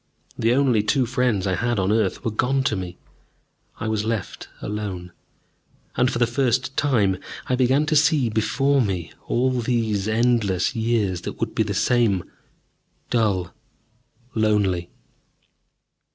The only two friends I had on earth were gone to me. I was left alone. And, for the first time, I began to see before me all these endless years that would be the same, dull, lonely.